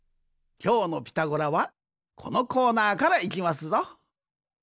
きょうの「ピタゴラ」はこのコーナーからいきますぞ。